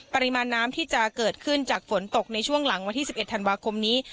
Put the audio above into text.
ปริมาณน้ำที่จะเกิดขึ้นจากฝนตกในช่วงหลังวันที่๑๑ธันวาคมนี้